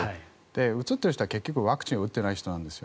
うつっている人は結局ワクチンを打っていない人なんです。